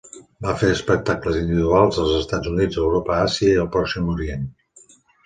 Va fer espectacles individuals als Estats Units, Europa, Àsia i el Pròxim Orient.